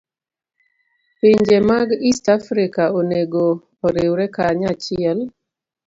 Pinje mag East Africa onego oriwre kanyachiel.